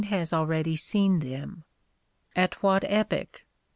235 already seen them. At what epoch?